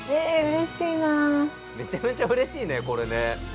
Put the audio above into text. めちゃめちゃうれしいねこれね。